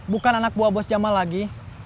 bukan anak buah bos jamal lagi